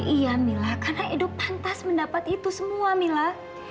iya mila karena hidup pantas mendapat itu semua mila